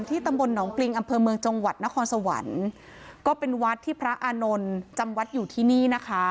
ตำบลหนองปริงอำเภอเมืองจังหวัดนครสวรรค์ก็เป็นวัดที่พระอานนท์จำวัดอยู่ที่นี่นะคะ